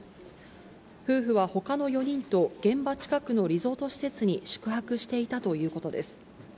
夫婦はほかの４人と現場近くのリゾート施設に宿泊していたということです。